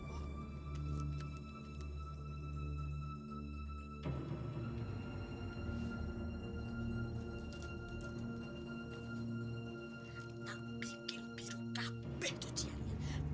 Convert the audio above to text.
tak bikin biru kabeh tujuan